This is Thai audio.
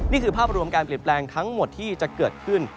นี่คือภาพรวมการเปลี่ยนแปลงทั้งหมดที่จะเกิดขึ้น